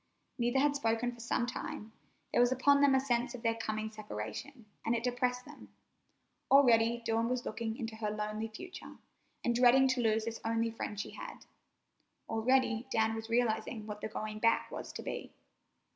Neither had spoken for some time. There was upon them a sense of their coming separation, and it depressed them. Already Dawn was looking into her lonely future, and dreading to lose this only friend she had. Already Dan was realizing what the going back was to be.